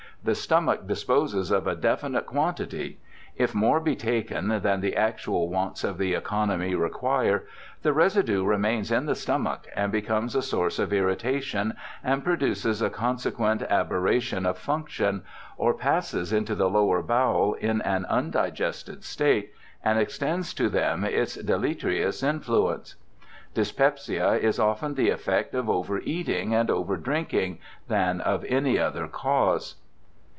The stomach disposes of a definite quantity. If more be taken than the actual wants of the economy require, the residue remains in the stomach and becomes a source of irritation and produces a conse quent aberration of function, or passes into the lower bowel in an undigested state, and extends to them its deleterious influence. Dyspepsia is oftener the effect of over eating and over drmking than of any other cause.'